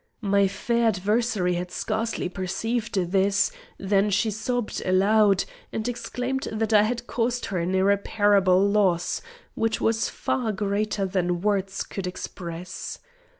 My fair adversary had scarcely perceived this, than she sobbed aloud, and exclaimed that I had caused her an irreparable loss, which was far greater than words could express.